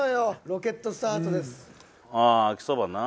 ロケットスタートです。